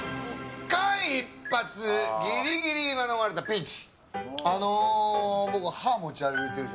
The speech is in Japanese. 間一髪ギリギリ免れたピンチ。